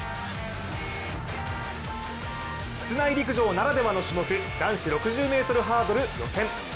室内陸上ならではの種目男子６０ｍハードル予選。